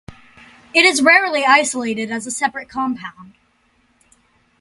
It is rarely isolated as a separate compound.